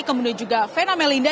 kemudian juga fena melinda